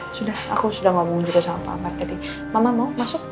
sudah aku sudah ngomong juga sama pak amer jadi mama mau masuk